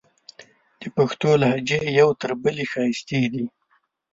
د پښتو لهجې یو تر بلې ښایستې دي.